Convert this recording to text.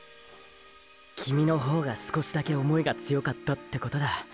キミの方が少しだけ想いが強かったってことだ。